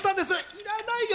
いらないよ